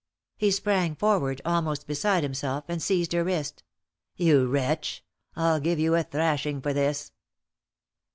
He sprang forward, almost beside himself, and seized her wrist. "You wretch I'll give you a thrashing for this."